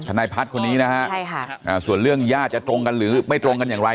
นายพัฒน์คนนี้นะฮะส่วนเรื่องญาติจะตรงกันหรือไม่ตรงกันอย่างไร